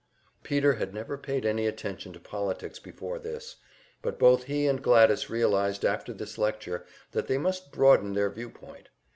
Peter had never paid any attention to politics before this, but both he and Gladys realized after this lecture that they must broaden their view point.